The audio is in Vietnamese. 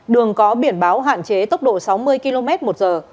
đường có biển báo hạn chế tốc độ sáu mươi km một giờ